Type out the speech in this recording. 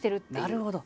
なるほど。